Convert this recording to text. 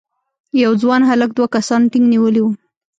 یو ځوان هلک دوه کسانو ټینک نیولی و.